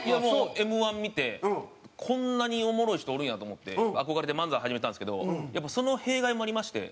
Ｍ−１見てこんなにおもろい人おるんやと思って憧れて漫才始めたんですけどやっぱその弊害もありまして。